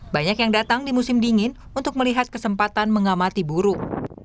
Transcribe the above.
banyak yang datang di musim dingin untuk melihat kesempatan mengamati burung